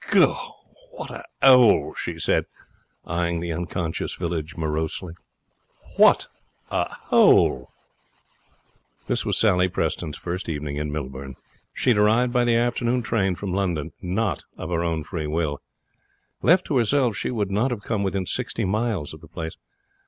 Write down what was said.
'Goo! What a hole!' she said, eyeing the unconscious village morosely. 'What a hole!' This was Sally Preston's first evening in Millbourne. She had arrived by the afternoon train from London not of her own free will. Left to herself, she would not have come within sixty miles of the place.